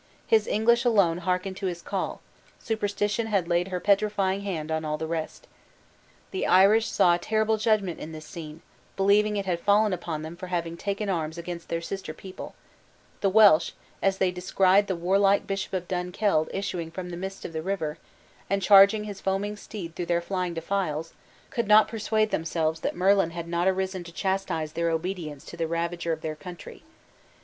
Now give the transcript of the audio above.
His English alone hearkened to his call; superstition had laid her petrifying hand on all the rest. The Irish saw a terrible judgment in this scene; believing it had fallen upon them for having taken arms against their sister people; the Welsh, as they descried the warlike Bishop of Dunkeld issuing from the mists of the river, and charging his foaming steed through their flying defiles, could not persuade themselves that Merlin had not arisen to chastise their obedience to the ravager of their country.